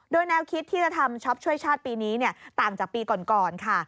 โดยแนวคิดที่จะทำช็อปช่วยชาติปีนี้ต่างจากปีก่อนค่ะ